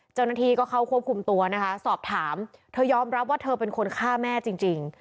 เจ้าหน้าที่ก็เข้าควบคุมตัวนะคะสอบถามเธอยอมรับว่าเธอเป็นคนฆ่าแม่จริง